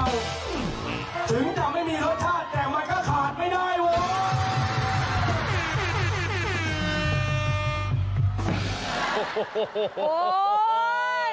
โอ้โหถึงจะไม่มีรสชาติแต่มันก็ขาดไม่ได้เว้ย